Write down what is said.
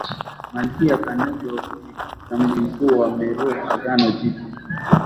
malkia Kandake wa Kushi katika mji mkuu wa Meroe Agano Jipya